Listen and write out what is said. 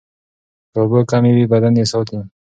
که اوبه کمې وي، بدن یې ساتي.